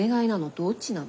どっちなの？